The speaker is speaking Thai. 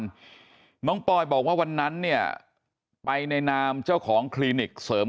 น้องปอยบอกว่าวันนั้นเนี่ยไปในนามเจ้าของคลินิกเสริม